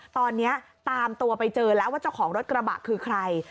ตอนนี้ตามตัวไปเจอแล้วว่าเจ้าของรถกระบะคือใคร